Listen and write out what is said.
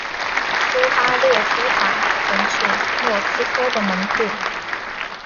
苏哈列夫塔曾是莫斯科的门户。